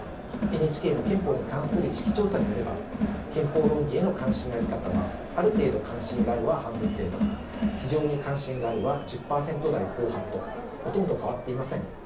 ＮＨＫの憲法に関する意識調査によれば憲法論議への関心の在り方は「ある程度関心がある」は半分程度「非常に関心がある」は１０％台後半とほとんど変わっていません。